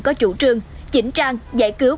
có chủ trương chỉnh trang giải cứu